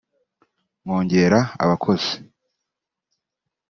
nkongera abakozi